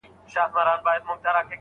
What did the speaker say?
ښه خاوند د ميرمني د ګټو مخه نه نيسي.